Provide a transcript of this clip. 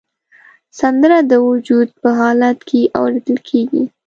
سندره د وجد په حالت کې اورېدل کېږي